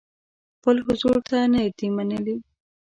خپل حضور ته نه دي منلي.